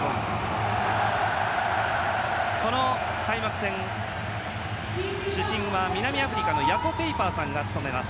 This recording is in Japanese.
この開幕戦、主審は南アフリカのヤコ・ペイパーさんが務めます。